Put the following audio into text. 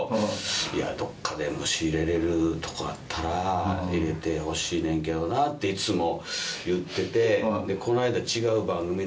いやどっかでもし入れれるとこあったら入れてほしいねんけどなっていつも言ってて。